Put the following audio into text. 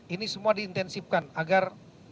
ini semua di intensifkan agar